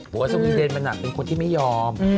หัวสวีเทนมันเป็นคนที่ไม่ยอม